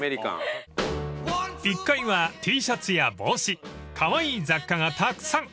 ［１階はＴシャツや帽子カワイイ雑貨がたくさん］